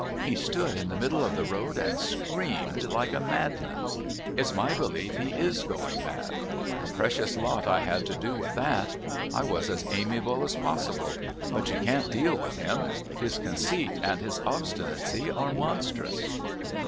He stood in the middle of the road and screamed like a madman. It's my belief he is going mad! A precious lot I had to do with that. I was as amiable as possible. But you can't deal with him. His conceit and his obstinacy are monstrous."